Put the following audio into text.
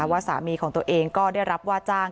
ว่าสามีของตัวเองก็ได้รับว่าจ้าง